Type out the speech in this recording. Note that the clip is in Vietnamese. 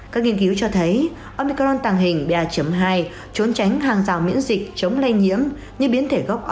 các nghiên cứu cho thấy omicron tàng hình ba hai trốn tránh hàng rào miễn dịch chống lây nhiễm như biến thể gốc